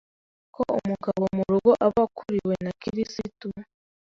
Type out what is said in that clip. ko umugabo mu rugo aba akuriwe na Kirisitu